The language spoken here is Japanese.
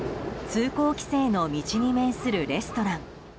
通行規制の道に面するレストラン。